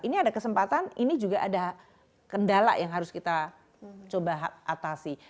ini ada kesempatan ini juga ada kendala yang harus kita coba atasi